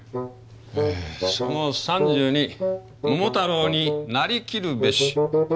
「その３２桃太郎になりきるべし」。